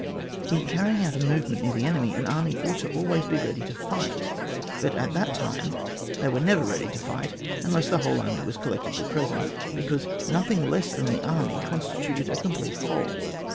In carrying out a movement near the enemy, an army ought to be always ready to fight ; but at that time they were never ready to fight unless the whole army was collec tively present, because nothing less than the army constituted a complete whole.